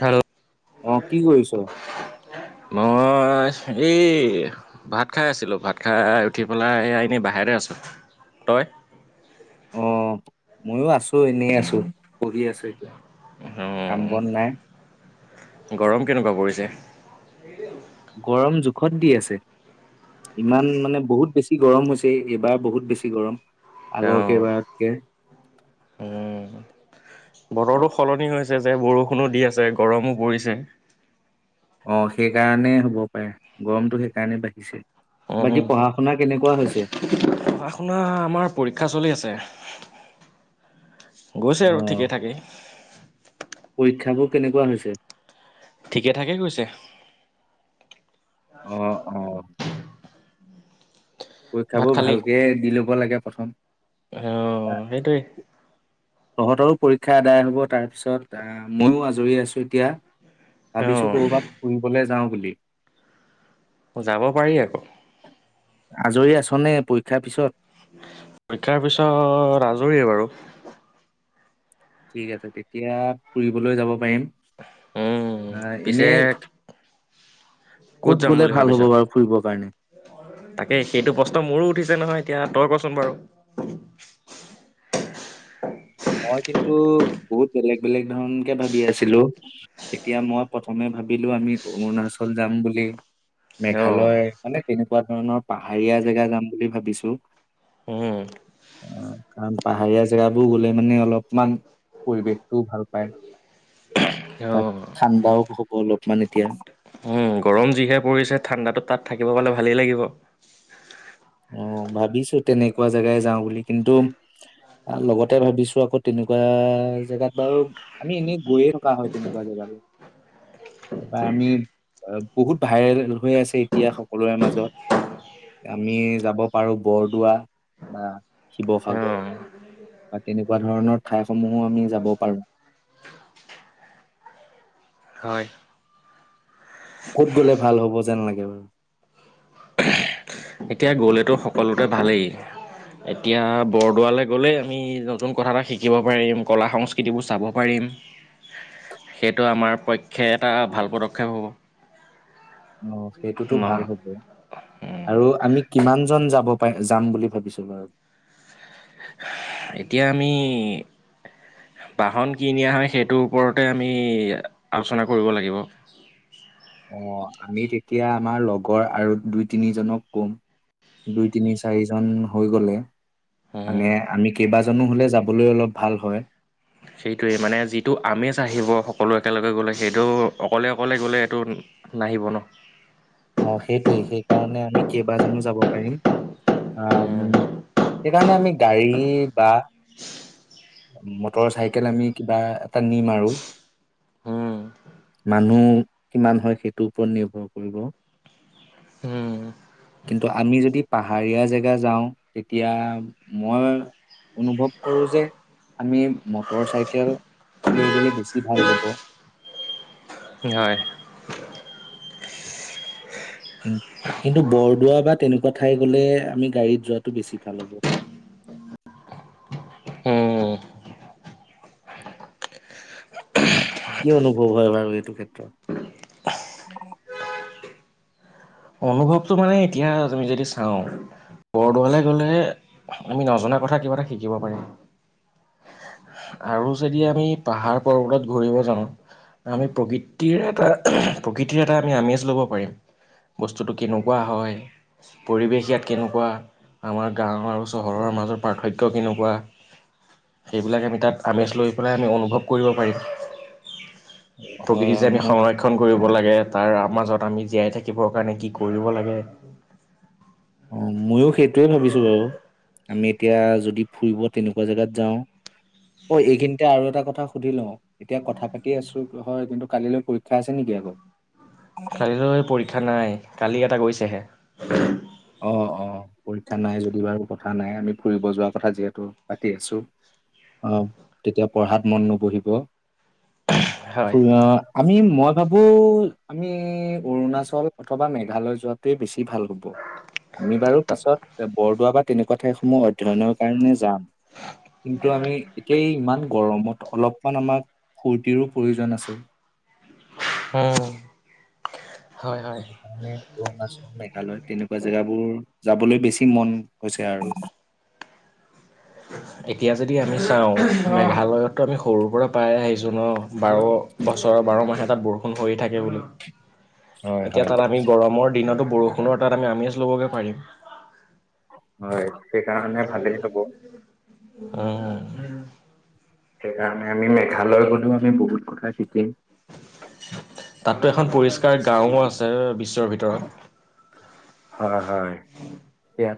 হেল অহ কি কৰিছ? মই এই ভাত খাই আছিলোঁ, ভাত খাই উঠি পেলাই এই এনে বাহিৰতে আছোঁ, তই? অ ময়ো আছোঁ, এনেই আছোঁ। অ', নাই গৰম কেনেকুৱা পৰিছে? [inaudible] গৰম জোখত দি আছে ইমান মানে বহুত বেছি গৰম হৈছে এইবাৰ বহুত বেছি গৰম। আগৰ কে অঁ, ভাৰতক বতৰৰতো সলনি হৈছে যে বৰষুণো দি আছে গৰমো পৰিছে। অ' সেইকাৰণেই হ'ব পাৰে গৰমটো সেইকাৰণেই বাঢ়িছে। উ বাকী পঢ়া শুনা কেনেকুৱা হৈছে পঢ়া শুনা আমাৰ পৰীক্ষা চলি আছে। গৈছে অ আৰু ঠিকে থাকেই। শিক্ষাবোৰ কেনেকুৱা হৈছে। ঠিকে থাকে কৈছে। অঁ অঁ পৰীক্ষাবোৰ ভালকে দি ল'ব লাগে প্ৰথম। অঁ' তা- সেই। তহঁতৰো পৰীক্ষা আদায় হ'ব, তাৰ পিছত আহ। মইো আজৰি আছো এতিয়া। ভাবিছো কৰ'বাত ফুৰিবলৈ যাওঁ। বুলি যাব পাৰি আকৌ। আজৰি আছনে পৰীক্ষাৰ পিছত? পৰীক্ষাৰ পিছত আজৰি বাৰু। ঠিক আছে। তেতিয়া ফুৰিবলৈ যাব পাৰিম। উম, আহ। পিছে এনেই। কত যাম গ'লে বুলি ভাল হ'ব ভাবিছো? বাৰু ফুৰিবৰ কাৰণে তাকে সেইটো প্ৰশ্ন মোৰো উঠিছে নহয় এতিয়া। তই কচোন বাৰু। মই কিন্তু বহুত বেলেগ বেলেগ ধৰণ কে ভাবি আছিলো। এতিয়া মই প্ৰথমে ভাবিলো আমি অৰুণাচল যাম বুলি। অ', মেঘালয় মানে। তেনেকুৱা ধৰণৰ পাহাৰীয়া জেগা যাম বুলি ভাবিছো। উম। অঁ কাৰণ পাহাৰীয়া জেগাবোৰ গ'লে। মানে অলপমান পৰিৱেশটোও ভাল পায়। তাত অ', ঠাণ্ডাও হ'ব অলপমান এতিয়া। উ গৰম যিহে পৰিছে ঠাণ্ডাটো তাত থাকিব পালে ভালেই লাগিব। অঁ ভাবিছো তেনেকুৱা জেগাই যাওঁ বুলি কিন্তু লগতে ভাবিছো আকৌ তেনেকুৱা জেগাত বাৰু আমি এনেই গৈয়ে থকা হয় তেনেকুৱা জেগাত। এইব আমি বহুত ভাইৰেল হৈ আছে এতিয়া সকলোৰে মাজত। আমি যাব পাৰো বৰদোৱা বা শিৱসাগৰ অ', বা তেনেকুৱা ধৰণৰ ঠাইসমূহো আমি যাব পাৰো। হয় ক'ত গ'লে ভাল হ'ব যেন লাগে বাৰু? এতিয়া গ'লেতো সকলোতে ভালেই এতিয়া বৰদোৱালৈ গ'লেই আমি নতুন কথা এটা শিকিব পাৰিম। কলা সংস্কৃতিবোৰ চাব পাৰিম। সেইটো আমাৰ পক্ষে এটা ভাল পদক্ষেপ হ'ব। অঁ' সেইটোতো ভাল নহয় হ'ব। আৰু আমি কিমান জন যাম? ভাব এতিয়া আমি বাহন কি নিয়া হয় সেইটোৰ ওপৰতে আমি আলোচনা কৰিব লাগিব। অঁ' আমি তেতিয়া আমাৰ লগৰ আৰু দুই তিনিজনক কম। দুই তিনি চাৰিজন হৈ গলে। উম, মানে আমি কেইবাজনো হলে যাবলৈ অলপ। ভাল হয়। সেইটোৱেই মানে যিটো আমেজ আহিব সকলো একেলগে গ'লে, সেইটো অকলে অকলে গ'লে এইেইটো নাহিব ন। অ' সেইটোৱে সেইকাৰণে আমি কেইবাজনো যাব পাৰিম। আহ সেইকাৰণে আমি গাড়ী বা। মটৰ চাইকেল আমি কিবা এটা নি মাৰো উম, মানুহ কিমান হয় সেইটোৰ ওপৰত নিৰ্ভৰ কৰিব। কিন্তু আমি যদি পাহাৰীয়া জেগা যাওঁ, তেতিয়া মই অনুভৱ কৰো যে। আমি মটৰ চাইকেল লৈ গলে বেছি ভাল হ'ব। হয়। কিন্তু বৰদোৱা বা তেনেকুৱা ঠাই গলে, আমি গাড়ীত যোৱাটো বেছি ভাল হ'ব। উম, কি অনুভৱ হয় বাৰু এইটো ক্ষেত্ৰত? অনুভৱটো মানে এতিয়া আমি যদি চাওঁ, বৰদোৱালৈ গ'লে আমি নজনা কথা কিবা এটা শিকিব পাৰি আৰু যদি আমি পাহাৰ। প্ৰ এৃৰ এটা ল পাৰিমস্তু কেনেকুৱা হয় পৰিৱেশ ইয়াত কেনেকুৱা আমাৰ গাঁৱ আৰু চহৰৰ মাজৰ পাৰ্থক্য কেনেকুৱা। সেইবিলাক আমি তাত আমেজ লৈ পেলাই আমি অনুভৱ কৰিব পাৰিম। হয় প্ৰকৃতি হয় যে আমি মই সংৰক্ষণ কৰিব লাগে। তাৰ মাজত আমি জীয়াই থাকিবৰ কাৰণে কি কৰিব লাগে। অ' ময়ো সেইটোৱে ভাবিছো বাৰু আমি এতিয়া যদি ফুৰিব তেনেকুৱা জোগাত যাও, অ' এইখিনিতে আৰু এটা কথা সুধি লওঁ এতিয়া কথা পাতি আছো হয় কিন্তু, কালিলৈ পৰীক্ষা আছে নেকি আকৌ কালিলৈ পৰীক্ষা নাই কালি এটা গৈছেহে। অ' অ' পৰীক্ষা নাই যদি বাৰু কথা নাই আমি ফুৰিব যোৱা কথা যিহেতু পাতি আছো। অ' তেতিয়া পঢ়াত মন নবহিব। চ হয়। আমি মই ভাবো আমি অৰুণাচল অথবা মেঘালয় যোৱাতোয়ে বেছি ভাল হ'ব আমি বাৰু পিছত বৰদো বা তেনেকুৱাত ঠাইসমূহ অধ্যয়নৰ কাৰণে যাম, কিন্তু আমি এতিয়া ইমান গৰমত অলপমান আমাক ফূৰ্তিৰো প্ৰয়োজন আছে। উম। হয় হয় সেইকাৰণে অৰুণাচল, মেঘালয় তেনেকুৱা জেগাবোৰ যাবলৈ বেছি মন হৈছে আৰু। এতিয়া যদি আমি চাওঁ মেঘালয়তো আমি সৰুৰ পৰা পায় আহিছো ন? বাৰ বছৰৰ বাৰ মাহে তাত বৰষুণ হৈয়ে থাকে বুলি। হয় এতিয়া হয় তাত আমি গৰমৰ দিনতো বৰষুণৰ তাত আমি আমেজ ল'বগৈ পাৰিম। হয়, সেইকাৰণে ভালেই হ'ব। [unintelligible] উম। সেইকাৰণে আমি মেঘালয় গ'লেও আমি বহুত কথা শিকিম। তাতো এখন পৰিচ গাওঁ আছে বিশ্বৰ ভিতৰত।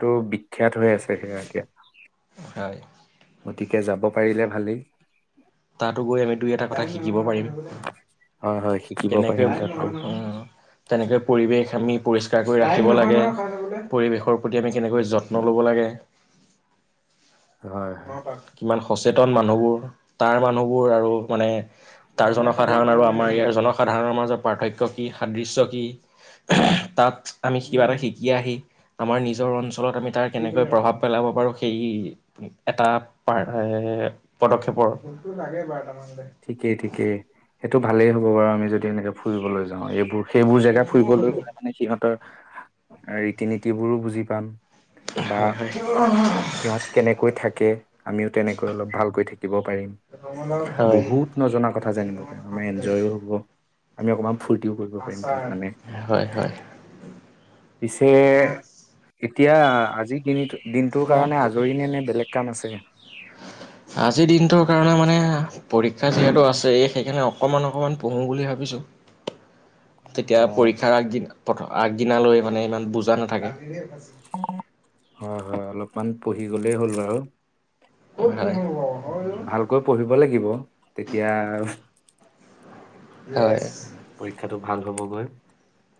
টো বিখ্যাত হৈ আছে সেয়া এতিয়া। হয়। গতিকে যাব পাৰিলে ভালেই। তাতো গৈ আমি দুই এটা [unintelligible] শিকিব পাৰিম। হয় হয় শিকিব কেনেকে পাৰিম তাত গৈ উম, তেনেকে পৰিৱেশ আমি পৰিষ্কাৰ কৰি ৰাখিব লাগে। পৰিৱেশৰ প্ৰতি আমি কেনেকৈ যত্ন ল'ব লাগে। হয় হয় কিমান সচেতন মানুহবোৰ। তাৰ মানুহবোৰ আৰু মানে তাৰ জনসাধাৰণ আৰু আমাৰ ইয়াৰ জনসাধাৰণৰ মাজৰ পাৰ্থক্য কি সাদৃশ্য কি। তাত আমি কিবা এটা শিকি আহি, আমাৰ নিজৰ অঞ্চলত আমি তাৰ কেনেকৈ প্ৰভাৱ পেলাব পাৰোঁ সেই এটা পা এ, পদক্ষেপৰ [inaudible] ঠিকেই ঠিকেই, সেই এইটো ভালেই হ'ব বাৰু আমি যদি এনেক ফুৰিবলৈ যাওঁ। এই বোৰ সেইবোৰ জেগা ফুৰিবলৈ গ'লে মানে সিহঁতৰ ৰীতি নীতিবোৰো বুজি পাম। হয় হয়, [inaudible] ইহঁত কেনেকৈ থাকে, আমিও তেনেকৈ অলপ ভালকৈ থাক দিব পাৰিম। বহুত নজনা কথা জানিব পাৰিম আমাৰ এনজয়ও হ'ব, আমি অকমান ফূৰ্তিও কৰিব পাৰিম তাত মানে। হয় হয় পিছে তিয়া আজি কিনি দিন দিনটোৰ কাৰণে আজৰি নে নে বেলেগ কাম আছে আজিৰ দিনটোৰ কাৰণে মা [unintelligible] পৰীক্ষা যিহেতু আছে সেইকাৰণে অকণমান অকণমান পঢ়োঁ বুলি ভাবিছোঁ। অ তেতিয়া পৰীক্ষাৰ আগদিন [unintelligible] আগদিনালৈ মানে ইমান বুজা নাথাকে। হয়, হয় অলপমান পঢ়ি গ'লেই হ'ল বাৰু। হয় হয় ভালকৈ পঢ়িব লাগিব। তেতিয়া হয়। টো ভাল হ'বগৈ।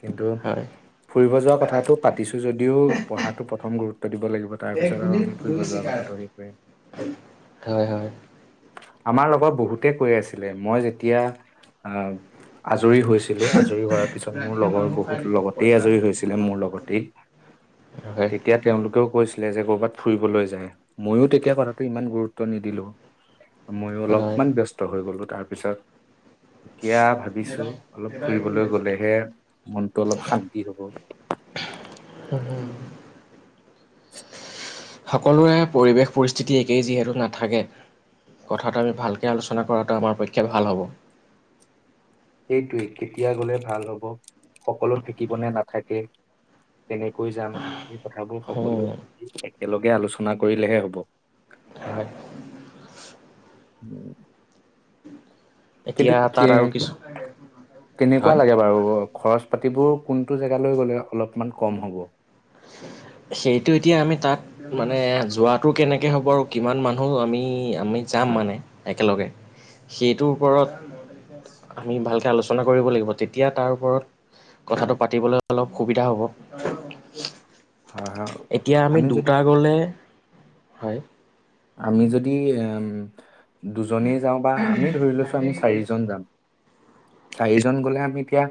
কিন্তু হয় ফুৰিব যোৱা কথাটো পাতিছো যদিও পঢ়াটো প্ৰথম গুৰুত্ব দিব লাগিব তাৰ পিছত আৰু আমি ফুৰিব যোৱা কথাটো হেষ কৰিম। হয় আমাৰ লগত বহুতে কৈ আছিলে মই যেতিয়া আহ আজৰি হৈছিলো আজৰি হোৱাৰ পিছত মোৰ লগৰ বহুত লগতেই আজৰি হৈছিলে মোৰ লগতেই। হয় তেতিয়া তেওঁলোকেয়ো কৈছিলে যে ক'ৰবাত ফুৰিবলৈ যায় ময়ো তেতিয়া কথাটো ইমান গুৰুত্ব নিদিলোঁ। ময়ো হয় অলপমান ব্যস্ত হৈ গ'লো। তাৰপিছত এতিয়া ভাবিছো, অলপ ফুৰিবলৈ গ'লেহে মনটো অলপ শান্তি হ'ব। সকলোৰে পৰিৱেশ পৰিস্থিতি একেই যিহেতু নাথাকে, কথাটো আমি ভালকে আলোচনা কৰাটো আমাৰ পক্ষে ভাল হ'ব। সেইটোৱে কেতিয়া গ'লে ভাল হ'ব সকলো থাকিবনে নাথাকে কেনেকৈ যাম? সেই কথাবোৰ উম, সকলোৱে একেলগে আলোচনা কৰিলেহে হ'ব। হয়। [inaudible] কিন্তু এতিয়া কে তাত আৰু কিছু কেনেকুৱা হয় লাগে বাৰু খৰচ পাতিবোৰ কোনটো জেগালৈ গ'লে অলপমান কম হ'ব। সেইটো এতিয়া আমি তাত মানে মানে যোৱাটো কেনেকৈ হ'ব আৰু কিমান মানুহ আমি [unintelligible] আমি যাম মানে একেলগে। সেইটোৰ ওপৰত আমি ভালকে আলোচনা কৰিব লাগিব, তেতিয়া তাৰ ওপৰত কথাটো পাতিবলৈ অলপ সুবিধা হ'ব। হা হা এতিয়া আমি দুটা গ'লে হয়। আমি যদি এম। [unintelligible] দুজনেই যাওঁ বা আমি ধৰি লৈছো আমি চাৰিজন যাম। চাৰিজন গ'লে আমি এতিয়া,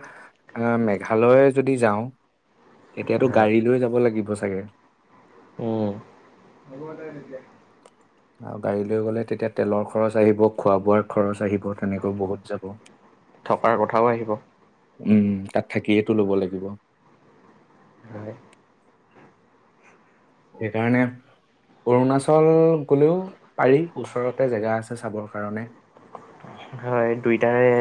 অ, মেঘালয় যদি যাওঁ। এতিয়াতো হয় গাড়ী লৈ যাব লাগিব চা তাকে। উম,। আৰু গাড়ী লৈ গ'লে তেতিয়া তেলৰ খৰচ আহিব, খোৱা বোৱাৰ খৰচ আহিব, তেনেকৈ বহুত যাব। থকাৰ কথাও আহিব। উম, তাত থাকিয়েইটো ল'ব লাগিব। হয়। সেইকাৰণে, অৰুণাচল গ'লেও পাৰি ওচৰতে জেগা আছে চাবৰ কাৰণে। হয় দুইটাৰে,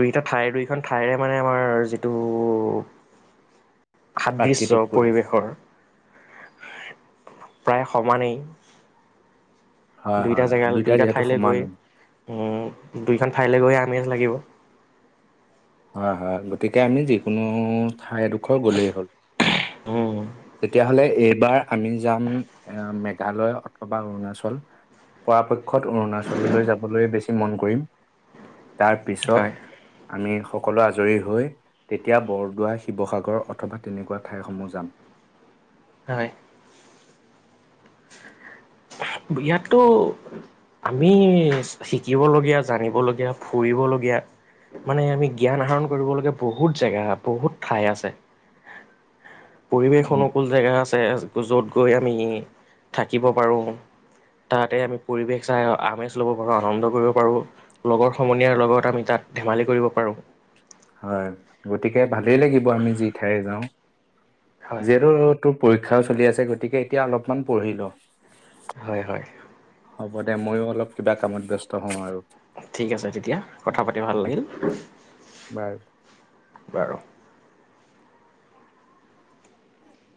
দুইটা ঠাই দুইখন ঠাইৰে মানে আমাৰ যিটো সাদৃশ্য প্ৰাকৃতিক পৰিৱেশ পৰিৱেশৰ। প্ৰায় সমানেই। হয়, দুইটা হয়। জেগাল দুইটা যিহেতু ঠাইলৈ গৈ, সমানেই। উম, দুইখন ঠাইলৈ গৈ আমেজ লাগিব। হয়, হয় গতিকে আমি যিকোনো ঠাইডোখৰ গ'লেই হ'ল। তেতিয়াহ'লে এইবাৰ আমি যাম এ মেঘালয় অথবা অৰুণাচল, পৰাপক্ষত অৰুণাচললৈ যাবলৈ বেছি মন কৰিম। তাৰ পিছত। হয়, আমি সকলো আজৰি হৈ, তেতিয়া বৰদোৱা, শিৱসাগৰ অথবা তেনেকুৱা ঠাইসমূহ যাম। হয়। ইয়াতো, আমি শিকিবলগীয়া, জানিবলগীয়া, ফুৰিবলগীয়া মানে আমি জ্ঞান আহৰণ কৰিবলগীয়া বহুত জেগা বহুত ঠাই আছে। পৰিৱেশ উম, অনুকূল জেগা আছে য'ত গৈ আমি, থাকিব পাৰোঁ। তাতে আমি পৰিৱেশ চাই আমেজ ল'ব পাৰোঁ, আনন্দ কৰিব পাৰোঁ, লগৰ সমনীয়াৰ লগত আমি তাত ধেমালি কৰিব পাৰোঁ। হয়, গতিকে ভালেই লাগিব আমি যি ঠাই যাওঁ। হয়, যিহেতু ত তোৰ পৰীক্ষ চলি আছে গতিকে এতিয়া অলপমান পঢ়িলো। হয়, হয়। হ'ব দে ময়ো অলপ কিবা কামত ব্যস্ত হওঁ আৰু। ঠিক আছে তেতিয়া, কথা পাতি ভাল লাগিল। বাৰু। বাৰু